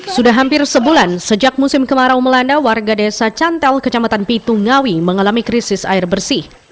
sudah hampir sebulan sejak musim kemarau melanda warga desa cantel kecamatan pitung ngawi mengalami krisis air bersih